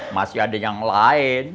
masih ada yang lain